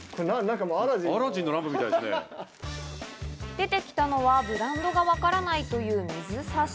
出てきたのはブランドがわからないという水差し。